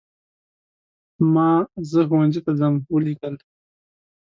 ما "زه ښوونځي ته ځم" ولیکل.